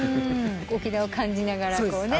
沖縄を感じながらこうね。